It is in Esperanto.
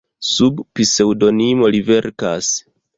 Sub pseŭdonimo li verkas.